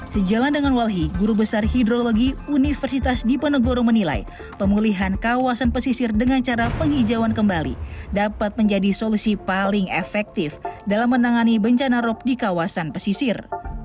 sejalan dengan walhi guru besar hidrologi universitas diponegoro menilai pemulihan kawasan pesisir dengan cara penghijauan kembali dapat menjadi solusi paling efektif dalam menangani bencana rop di kawasan pesisir